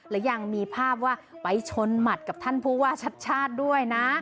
และยังมีภาพว่าไปชนหมัดกับท่านผู้ว่าชัดชาติด้วยนะ